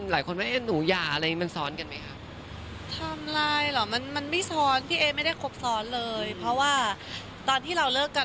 มันไม่สอนหรอกมันไม่สอนเพราะว่าตอนที่เราเลิกกัน